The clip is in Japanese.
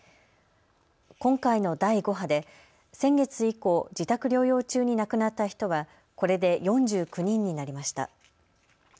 今回の第５波で先月以降、自宅療養中に亡くなった人は、これで４９人になりました。